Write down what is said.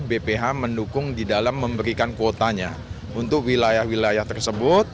bph mendukung di dalam memberikan kuotanya untuk wilayah wilayah tersebut